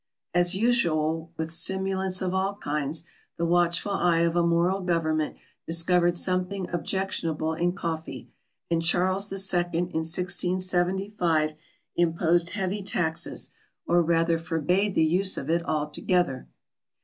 As usual with stimulants of all kinds, the watchful eye of a moral Government discovered something objectionable in coffee, and Charles II in 1675 imposed heavy taxes, or rather forbade the use of it altogether.